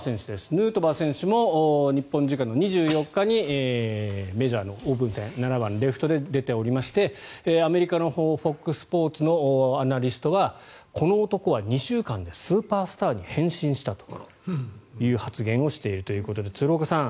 ヌートバー選手も日本時間の２４日にメジャーのオープン戦７番レフト出てていましてアメリカのＦＯＸスポーツのアナリストはこの男は２週間でスーパースターに変身したという発言をしているということで鶴岡さん